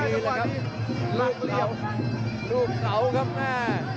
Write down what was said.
ดีอะไรครับรูปเขาครับแน่